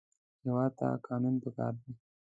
هېواد ته قانون پکار دی